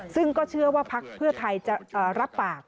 ซึ่งก็เชื่อว่าพักเพื่อไทยจะรับปาก